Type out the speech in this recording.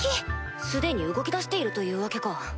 既に動きだしているというわけか。